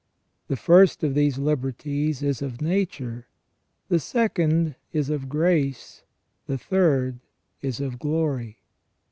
The first of these liberties is of nature, the second is of grace, the third is of glorj'.